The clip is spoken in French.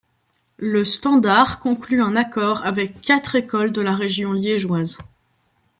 Le Standard conclut un accord avec quatre écoles de la région liégeoise.